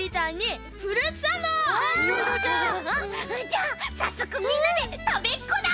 じゃあさっそくみんなでたべっこだ！